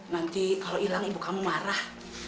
nanti kalau hilang ibu kamu marah